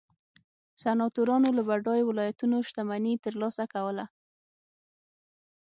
سناتورانو له بډایو ولایتونو شتمني ترلاسه کوله